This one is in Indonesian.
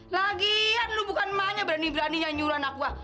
lagian lu bukan maknya berani beraninya nyuruh anak gue